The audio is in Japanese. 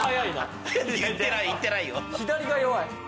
いってない。